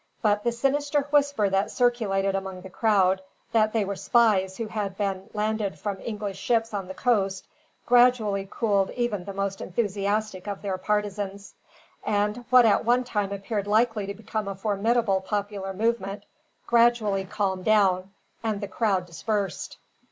But the sinister whisper that circulated among the crowd, that they were spies who had been landed from English ships on the coast, gradually cooled even the most enthusiastic of their partisans; and what at one time appeared likely to become a formidable popular movement, gradually calmed down, and the crowd dispersed.